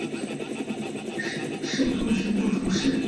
授度支部主事。